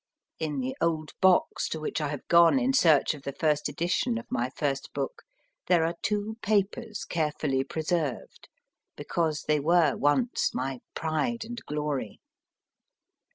In the old box to which I have gone in search of the first edition of my first book, there are two papers carefully preserved, because they were once my pride and glory.